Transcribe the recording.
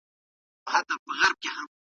د ښار نه بهر ټول خلګ کوچیان نه دي.